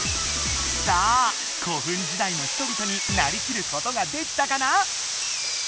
さあ古墳時代の人々になりきることができたかな？